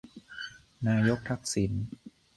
นายกทักษิณ